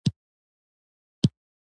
وروسته ګلوله د څراغ پواسطه ګرمه کړئ.